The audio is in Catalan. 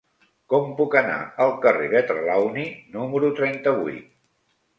Com puc anar al carrer de Trelawny número trenta-vuit?